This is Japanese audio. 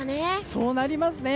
そうなりますね。